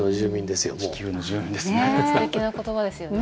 すてきな言葉ですよね